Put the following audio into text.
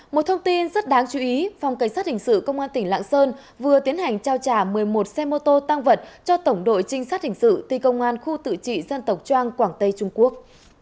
một thông tin rất đáng chú ý phòng cảnh sát hình sự công an tỉnh lạng sơn vừa tiến hành trao trả một mươi một xe mô tô tăng vật cho tổng đội trinh sát hình sự ti công an khu tự trị dân tộc trang quảng tây trung quốc